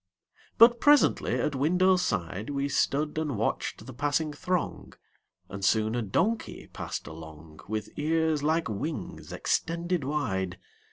But presently at window side We stood and watched the passing throng, And soon a donkey passed along With ears like wings extended wide.